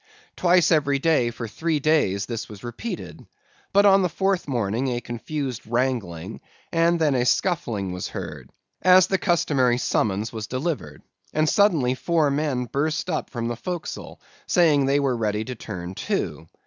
Twice every day for three days this was repeated; but on the fourth morning a confused wrangling, and then a scuffling was heard, as the customary summons was delivered; and suddenly four men burst up from the forecastle, saying they were ready to turn to.